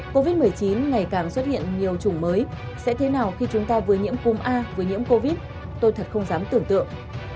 covid một mươi chín ngày càng xuất hiện nhiều chủng mới sẽ thế nào khi chúng ta vừa nhiễm cúm a vừa nhiễm covid tôi thật không dám tưởng tượng